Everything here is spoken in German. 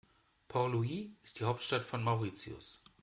Port Louis ist die Hauptstadt von Mauritius.